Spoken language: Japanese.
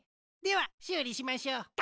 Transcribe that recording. ではしゅうりしましょう。